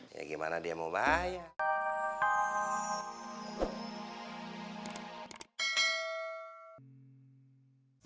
ya gimana dia mau bayar